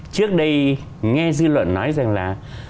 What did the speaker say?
trước đây nghe dư luận nói rằng là